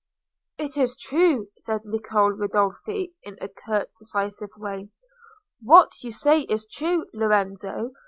"It's true," said Niccolò Ridolfi, in a curt decisive way. "What you say is true, Lorenzo.